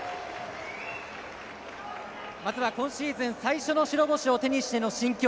今シーズン、最初の白星を手にしての心境